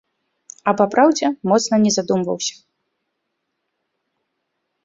А папраўдзе, моцна не задумваўся.